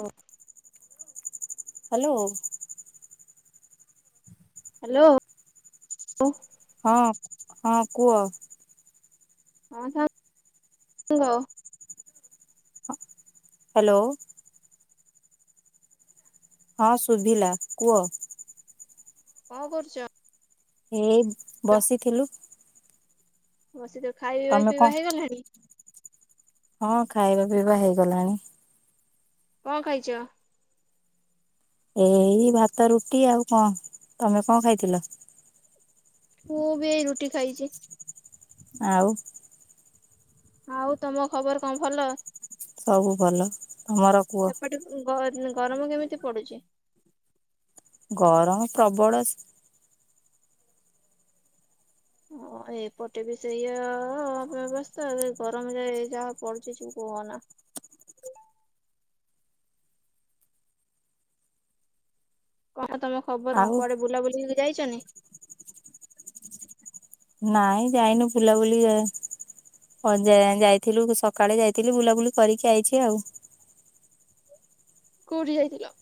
ଓ hello hello ହଁ ହଁ କୁହ ହଁ [unintelligible] ହ୍ୟାଲୋ ହଁ ଶୁଭିଲା କୁହ କଣ କରୁଛ ଏ ବସିଥିଲୁ ବସିଥିଲୁ ଖାଇବା ତମେ କଣ ପିଇବା ହେଇଗଲାଣି ହଁ ଖାଇବା ପିଇବା ହେଇଗଲାଣି କଣ ଖାଇଛ ଏଇ ଭାତ ରୁଟି ଆଉ କଣ ତମେ କଣ ଖାଇଥିଲ ମୁଁ ବି ଏଇ ରୁଟି ଖାଇଛି ଆଉ ଆଉ ତମ ଖବର କଣ ଭଲ ସବୁ ଭଲ ତମର କୁହ ସେପଟେ ଗ-ଗରମ କେମି ପଡୁଛି ଗରମ ପ୍ରବଳ ହଁ ଏପଟେ ବି ସେଇଆଆ ବ୍ୟବସ୍ଥା ଗରମ ଯାଏ ଯାହା ପଡୁଛି କୁହନା ଆଉ ତମ ଖବର ଆଉ କଣ କୁଆଡେ ବୁଲା ବୁଲି ଯାଇଛନ୍ତି ନାଇଁ ଯାଇନୁ ବୁଲାବୁଲି ଯାଇଥିଲୁ ସକାଳେ ଯାଇଥିଲି ବୁଲାବୁଲି କରିକି ଆଇଛି ଆଉ କୋଉଠି ଯାଇଥିଲ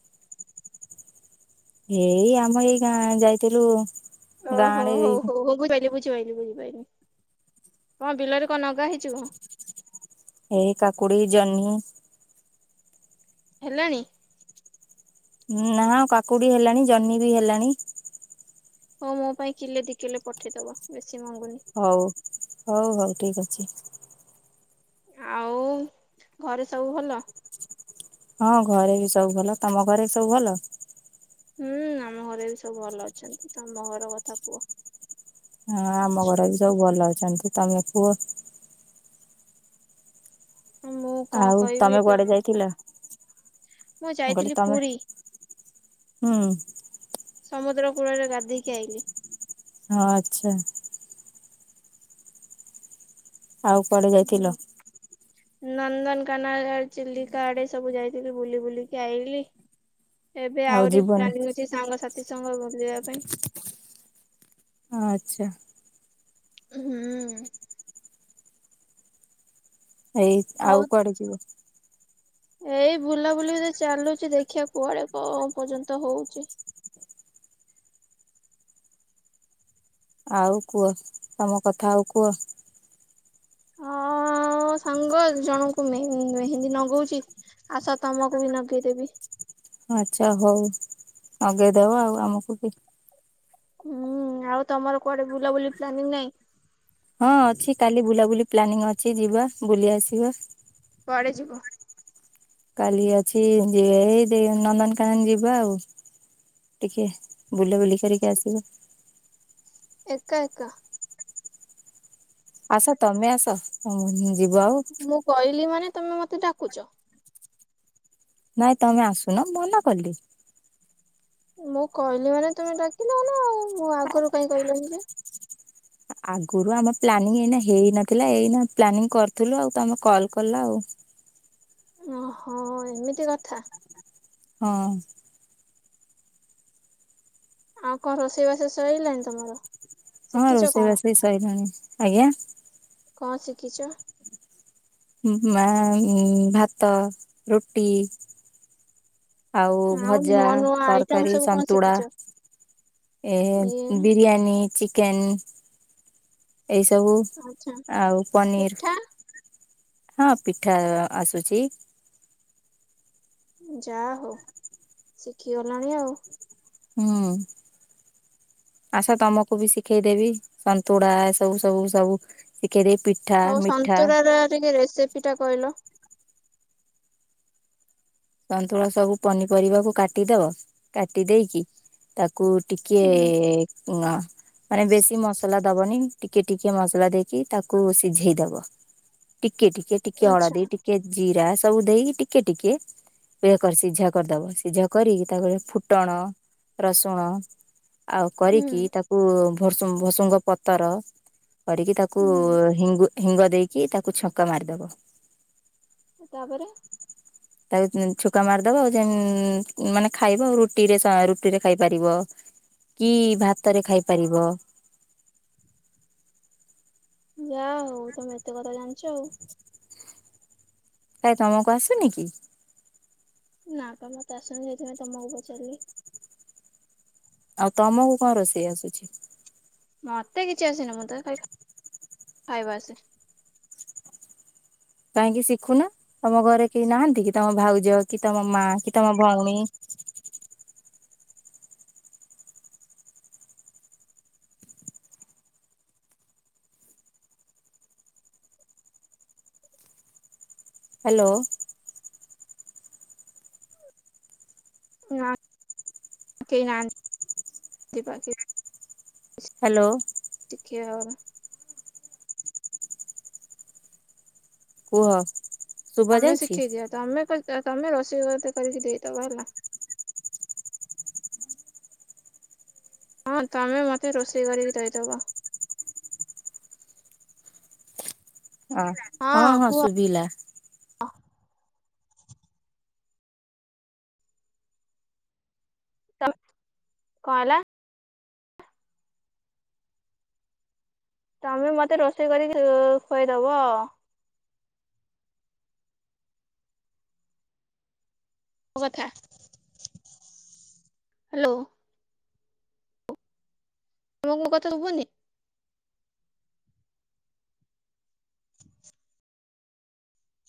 ଏଇ ଆମ ଏଇ ଗାଁ ଯାଇଥିଲୁ ଗାଁ ଆଡେ [unintelligible] [unintelligible] ବୁଝିପାରନି କଣ ବିଲରେ କଣ ନଗା ହେଇଛି [unintelligible] ଏଇ କାକୁଡି ଜହ୍ନି ହେଲାଣି ନା କାକୁଡି ହେଲାଣି ଜହ୍ନି ବି ହେଲାଣି ହଉ ମୋ ପାଇଁ କିଲେ ଦି କିଲେ ପଠେଇଦବ ବେଶୀ ମଙ୍ଗୁନି। ହଉ ହଉ ହଉ ଠିକ ଅ [unintelligible] ଆଉ ଘରେ ସବୁ ଭଲ ହଁ ଘରେ ବି ସବୁ ଭଲ ତମ ଘରେ ସବୁ ଭଲ ହୁଁ ଆମ ଘରେ ବି ସବୁ ଭଲ ଅଛନ୍ତି ତମ ଘର କଥା କୁହ ହଁ ଆମ ଘରେ ବି ସବୁ ଭଲ ଅଛନ୍ତି ତମେ କୁହ [unintelligible] [unintelligible] ମୁଁ କଣ ଆଉ ତମେ କହିବି କୁଆଡେ ତମକୁ ଯାଇଥିଲ ମୁଁ ମୁଁ କହିଲି ଯାଇଥିଲି ତମେ ପୁରୀ ହୁଁ [unintelligible] ସମୁଦ୍ର କୂଳରେ ଗାଧେଇକି ଆଇଲି ହଁ ଆଚ୍ଛା [unintelligible] ଆଉ କୁଆଡେ ଯାଇଥିଲ ନନ୍ଦନକାନ ଆଡ଼େ ଚିଲିକା ଆଡେ ସବୁ ଯାଇଥିଲି ବୁଲି ବୁଲିକି ଆଇଲିି ଏବେ ଆଉ ଆହୁରି ଯିବନି ପ୍ଲାନିଙ୍ଗ ଅଛି ସାଙ୍ଗ ସାଥି ଏତେ ସମୟ ବୁଲିବା ପାଇଁ ଆଚ୍ଛା ହୁଁ ଏଇ ଆଉ କୁଆଡେ ଯିବ ଏଇ ବୁଲାବୁଲି ରେ ଚାଲୁଛି ଦେଖିବା କୁଆଡେ କଣ ପର୍ଯ୍ୟନ୍ତ ହଉଛି ଆଉ କୁହ ତମ କଥା ଆଉ କୁହ ହଁ ସାଙ୍ଗ ଜଣଙ୍କୁ ମେହେ ମେହେନ୍ଦୀ ନଗଉଛି ଆସ ତମକୁ ବି ନଗେଇଦେବି ଆଚ୍ଛା ହଉ ନଗେଇ ଦେବା ଆଉ ଆମକୁ କି ହୁଁ ଆଉ ତମର କୁଆଡେ ବୁଲାବୁଲି ପ୍ଲାନିଂ ନାଇଁ ହଁ ଅଛି କାଲି ବୁଲାବୁଲି ପ୍ଲାନିଂ ଅଛି ଯିବା ବୁଲି ଆସିବା ପରେ ଯିବ କାଲି ଅଛି ଯେ ଏଇ ଦିଜଣ ନନ୍ଦନକାନନ ଯିବା ଆଉ ଟିକେ ବୁଲାବୁଲି କରିକି ଆସିବା ଏକା ଏକା ଆସ ତମେ ଆସ ଯିବ ଆଉ ମୁଁ କହିଲି ମାନେ ତମେ ମତେ ଡାକୁଛ ନାଇଁ ତମେ ଆସୁନ ମନା କଲି ମୁଁ କହିଲି ମାନେ ତମେ ଡାକିଲନା ଆଉ ମୋ ଆଗରୁ କାହିଁ କହିଲନି ଯେ ଆଗରୁ ଆମ ପ୍ଲାନିଂ ଏଇନା ହେଇନଥିଲା ଏଇନା ପ୍ଲାନିଂ କରିଥିଲୁ ଆଉ ତମେ କଲ୍ କଲ ଆଉ ଓହୋ ଏମିତି କଥା ହଁ [unintelligible] ଆଉ କଣ ରୋଷେଇ ବାଷ ସଇଲାଣି ତମର ହଁ ଶିଖିଛ କଣ ରୋଷେଇବାଷ ବି ସଇଲାଣି ଆଜ୍ଞା କଣ ଶିଖିଛ ମୁ ମା ଉଁ ଭାତ ରୁଟି ଆଉ ଭଜା ନୂଆ ନୂଆ ଆଇଟମ ତରକାରୀ ସବୁ କଣ ସନ୍ତୁଳା ଶିଖିଛ? ଏ ଇଏ ବିରିୟାନୀ ଚିକେ ଚିକେନ୍ ଏଇସବୁ ଆଚ୍ଛା ଆଉ ପନିର୍ ପିଠା ହଁ ପିଠା ଆସୁଛି ଯା ହଉ ଶିଖିଗଲଣି ଆଉ ହୁଁ ଆସ ତମକୁ ବି ଶିଖେଇଦେବି ସନ୍ତୁଳା ଏ ସବୁ ସବୁ ସବୁ ଶିଖେଇଦବି ହଉ ସନ୍ତୁରାର ଟିକେ ରେସିପିଟା କହିଲ ସନ୍ତୁଳା ସବୁ ପନିପରିବାକୁ କାଟିଦବ କାଟି ଦେଇକି ତାକୁ କୁ ଟିକେ ହୁଁ ଅ ମାନେ ବେଶୀ ମସଲା ଦବନି ଟିକେ ଟିକେ ମସଲା ଦେଇକି ତାକୁ ସିଝେଇ ଦବ ଟି। ଟିକେ ଟିକେ ଟିକେ ଆଚ୍ଛା ଅଳଦି ଟିକେ ଜୀରା। ସବୁ ଦେଇକି ଟିକେ ଟିକେ। ଏ କରି ସିଝା କରିଦବ ସିଝା କରିକି ତାପରେ ଫୁଟଣ, ରସୁଣ। ଆଉ ହୁଁ କରିକି ତାକୁ। [inaudible] [unintelligible] କରିକି ତାକୁ ହୁଁ ହିଙ୍ଗୁ। ହିଙ୍ଗ ଦେଇକି ତାକୁ ଛୁଙ୍କ ମାରିଦବ। ତାପରେ [inaudible] ଛୁକ ମାରିଦବା ଆଉ ଯେନ ମାନେ ଖାଇବ ଆଉ ରୁଟିରେ ରୁଟିରେ ଖାଇପାରିବ। କି ଭାତରେ ଖାଇପାରିବ। ଯା ହଉ ତମେ ଏତେ କଥା ଜାଣିଛ ଆଉ। କାଇ ତମକୁ ଆସୁନି କି? ନା ତ ମତେ ଆସୁନି ସେଥିପାଇଁ ତମ କୁ ପଚାରିଲି। ଆଉ ତମକୁ କଣ ରୋଷେଇ ଆସୁଛି? ମତେ କିଛି ଆସିନି ମତେ ଖାଇବା ଆସେ। କାହିଁକି ଶିଖୁନ ତମ ଘରେ କେହି ନାହାନ୍ତି? କି ତମ ଭାଉଜ କି ତମ ମା କି ତମ ଭଉଣୀ। ହାଲୋ [unintelligible] [inaudible] ହାଲୋ [unintelligible] [inaudible] [unintelligible] କୁହ [unintelligible] ତମେ ଯାଉଛି ଶିଖେଇ ଦିଅ ତମେ। [inaudible] ହଁ ତମେ ମତେ ରୋଷେଇ କରିକି ଦେଇଦବ। ଅ ହଁ ହଁ ଶୁଭିଲା। ତମେ କଣ ହେଲା। ତମେ ମତେ ରୋଷେଇ କରି ଖୁଏଇ ଦବ ଆଉ। ମୋ କଥା ହାଲୋ। ତମ କୁ ମ କଥା ସୁବୁନି।